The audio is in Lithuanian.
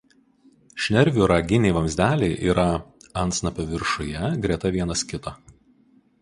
Šnervių raginiai vamzdeliai yra antsnapio viršuje greta vienas kito.